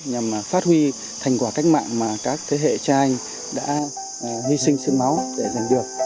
để phát huy thành quả cách mạng mà các thế hệ cha anh đã hy sinh sức máu để giành được